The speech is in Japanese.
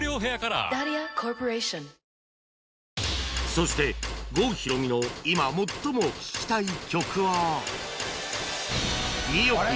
そして郷ひろみの今最も聴きたい曲は